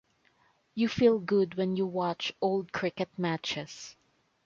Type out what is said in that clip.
You feel good when you watch old cricket matches.